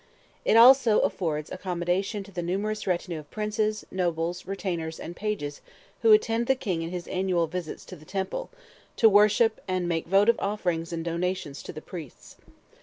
It also affords accommodation to the numerous retinue of princes, nobles, retainers, and pages who attend the king in his annual visits to the temple, to worship, and make votive offerings and donations to the priests.